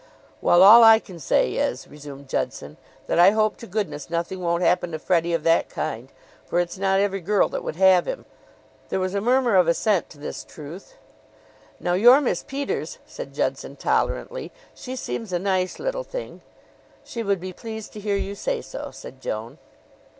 "Well, all I can say is," resumed Judson, "that I hope to goodness nothing won't happen to Freddie of that kind; for it's not every girl that would have him." There was a murmur of assent to this truth. "Now your Miss Peters," said Judson tolerantly "she seems a nice little thing." "She would be pleased to hear you say so," said Joan.